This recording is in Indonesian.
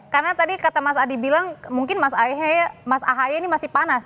karena tadi kata mas adi bilang mungkin mas ahaye ini masih panas